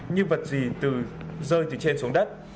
như vật gì rơi từ trên xuống đất